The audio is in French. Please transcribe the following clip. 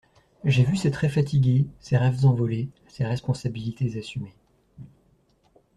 J’ai vu ses traits fatigués, ses rêves envolés, ses responsabilités assumées.